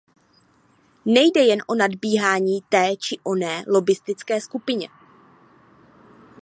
Nejde jen o nadbíhání té či oné lobbistické skupině.